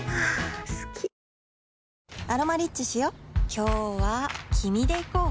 今日は君で行こう